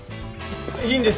いいんですか？